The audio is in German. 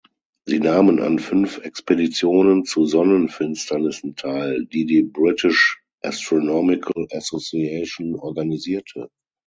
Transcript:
Sie nahmen an fünf Expeditionen zu Sonnenfinsternissen teil, die die British Astronomical Association organisierte.